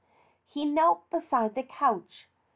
He knelt beside the couch.